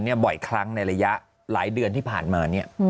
อีกครั้งในระยะหลายเดือนที่ผ่านมา